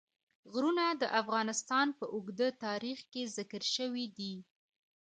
غرونه د افغانستان په اوږده تاریخ کې ذکر شوی دی.